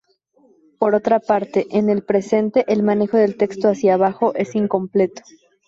Por otra parte, en el presente, el manejo del texto hacia abajo es incompleto.